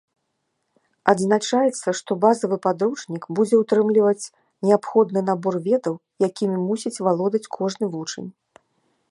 Адзначаецца, што базавы падручнік будзе ўтрымліваць неабходны набор ведаў, якімі мусіць валодаць кожны вучань.